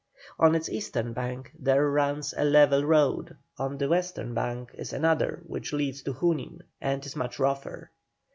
On its eastern bank there runs a level road, on the western bank is another which leads to Junin, and is much rougher.